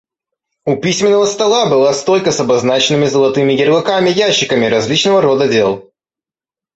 У письменного стола была стойка с обозначенными золотыми ярлыками ящиками различного рода дел.